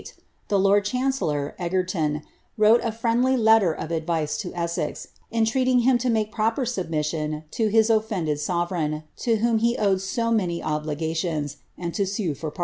The lord chancellor, Egerton, wrote a friendly e to Essex, entreating him to make proper submission to lovereign, to whom he owed so many obligations, and to n.